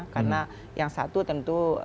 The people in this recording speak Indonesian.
karena yang satu tentu